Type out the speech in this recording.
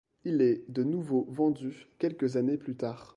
Il est de nouveau vendu quelques années plus tard.